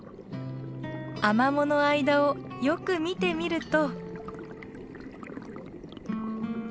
アマモの間をよく見てみると。